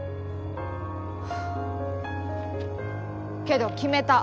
けど決めた。